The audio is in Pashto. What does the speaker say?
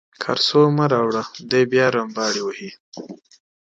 کارسو مه راوړه دی بیا رمباړې وهي.